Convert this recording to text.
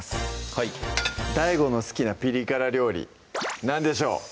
はいＤＡＩＧＯの好きなピリ辛料理何でしょう？